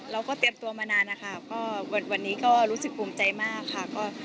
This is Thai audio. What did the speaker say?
เราก็เตรียมตัวมานานนะคะก็วันนี้ก็รู้สึกภูมิใจมากค่ะ